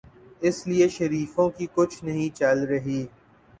اسی لیے شریفوں کی کچھ نہیں چل رہی۔